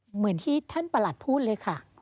เหมือนที่ท่านประหลัดพูดเลยค่ะ